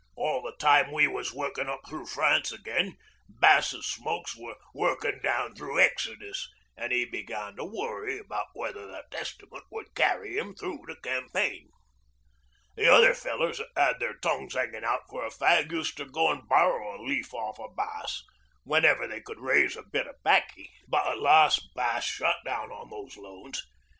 All the time we was workin' up thro' France again Bass's smokes were workin' down through Exodus, an' 'e begun to worry about whether the Testament would carry 'im through the campaign. The other fellers that 'ad their tongues 'anging out for a fag uster go'n borrow a leaf off o' Bass whenever they could raise a bit o' baccy, but at last Bass shut down on these loans.